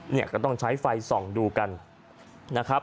เนี่ยก็ต้องใช้ไฟส่องดูกันนะครับ